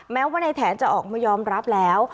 แม้ว่าในแถนจะออกมายอมรับแล้ว